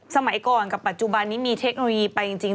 สมัยก่อนกับปัจจุบันนี้มีเทคโนโลยีไปจริง